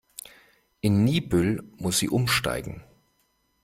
In Niebüll muss sie umsteigen.